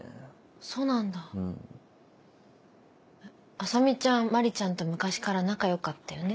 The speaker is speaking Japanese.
麻美ちゃん真里ちゃんと昔から仲良かったよね。